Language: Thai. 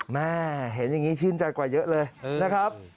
แม่เห็นอย่างนี้ชื่นใจกว่าเยอะเลยนะครับ